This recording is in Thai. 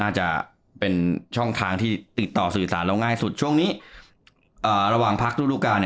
น่าจะเป็นช่องทางที่ติดต่อสื่อสารเราง่ายสุดช่วงนี้ระหว่างพักฤดูการ